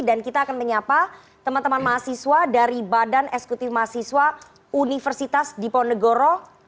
dan kita akan menyapa teman teman mahasiswa dari badan esekutif mahasiswa universitas diponegoro